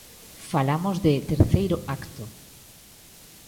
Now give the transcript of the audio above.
Falamos de "Terceiro acto".